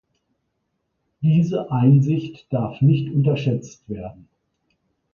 Diese Einsicht darf nicht unterschätzt werden.